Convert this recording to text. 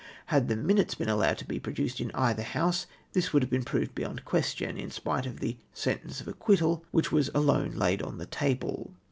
Had the minutes been allowed to be produced in either House, this would have been proved beyond question, in spite of the sentence of acquittal^ which was alone laid on the table.